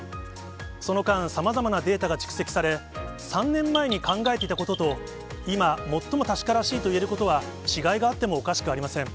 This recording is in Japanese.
その間、さまざまなデータが蓄積され、３年前に考えていたことと、今、最も確からしいといえることは、違いがあってもおかしくありません。